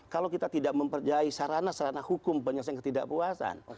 kalau kita tidak mempercayai sarana sarana hukum penyelesaian ketidakpuasan